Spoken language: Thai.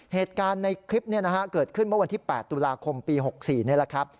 เหตุการณ์ในคลิปเกิดขึ้นเมื่อวันที่๘ตุลาคมปี๖๔นี่แหละครับ